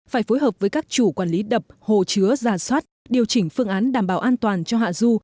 phải phối hợp với các chủ quản lý đập hồ chứa giả soát điều chỉnh phương án đảm bảo an toàn cho hạ du